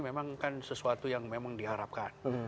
memang kan sesuatu yang memang diharapkan